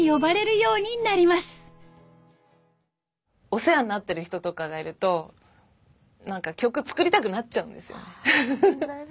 お世話になってる人とかがいると何か曲作りたくなっちゃうんですよね。